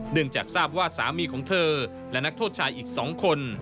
เนื่องจากทราบว่าสามีของเธอและนักโทษชายอีก๒คน